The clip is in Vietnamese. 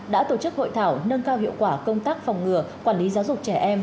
đã tổ chức hội thảo nâng cao hiệu quả công tác phòng ngừa quản lý giáo dục trẻ em